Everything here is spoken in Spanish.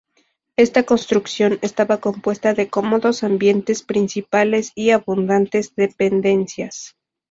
Esta construcción estaba compuesta de cómodos ambientes principales y abundantes dependencias.